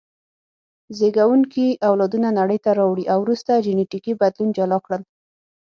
زېږوونکي اولادونه نړۍ ته راوړي او وروسته جینټیکي بدلون جلا کړل.